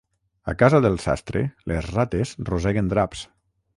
A casa del sastre les rates roseguen draps.